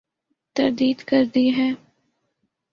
تردید کر دی ہے ۔